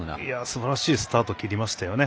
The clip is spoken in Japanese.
すばらしいスタート切りましたよね。